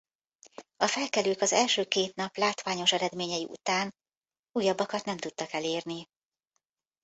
A felkelők az első két nap látványos eredményei után újabbakat nem tudtak elérni.